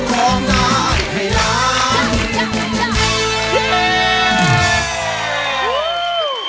ร้องได้ไขล้าน